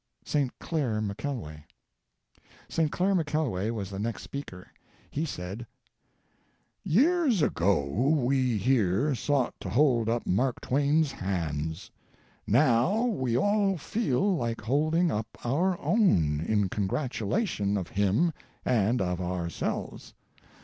ST. CLAIR McKELWAY. St. Clair McKelway was the next speaker. He said: "Years ago we here sought to hold up Mark Twain's hands. New we all feel like holding up our own, in congratulation of him and of ourselves.